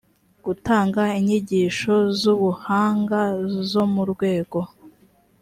gutanga inyigisho z ubuhanga zo mu rwego